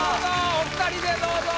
お二人でどうぞ。